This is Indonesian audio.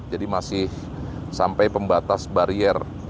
jadi masih sampai pembatas barier